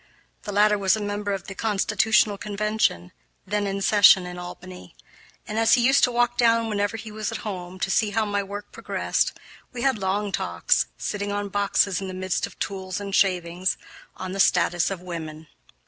The latter was a member of the Constitutional Convention, then in session in Albany, and as he used to walk down whenever he was at home, to see how my work progressed, we had long talks, sitting on boxes in the midst of tools and shavings, on the status of women.